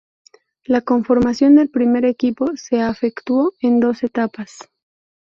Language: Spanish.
La conformación del primer equipo se efectuó en dos etapas.